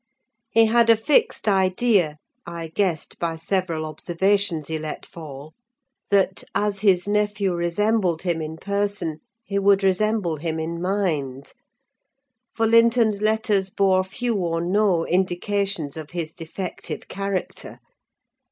He had a fixed idea, I guessed by several observations he let fall, that, as his nephew resembled him in person, he would resemble him in mind; for Linton's letters bore few or no indications of his defective character.